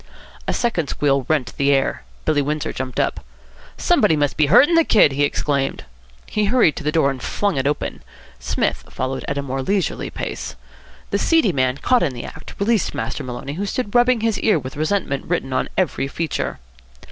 A second squeal rent the air. Billy Windsor jumped up. "Somebody must be hurting the kid," he exclaimed. He hurried to the door and flung it open. Psmith followed at a more leisurely pace. The seedy man, caught in the act, released Master Maloney, who stood rubbing his ear with resentment written on every feature.